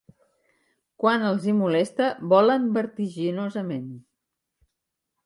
Quan els hi molesta, volen vertiginosament.